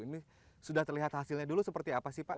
ini sudah terlihat hasilnya dulu seperti apa sih pak